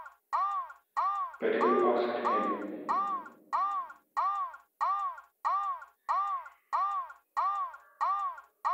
But who asked him?